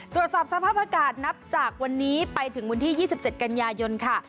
ตรวจสอบสภาพอากาศนับจากวันนี้ไปถึงวันที่๒๗กันยายนค่ะ